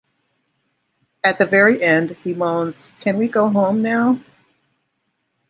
At the very end, he moans Can we go home now?